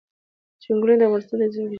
چنګلونه د افغانستان د ځمکې د جوړښت نښه ده.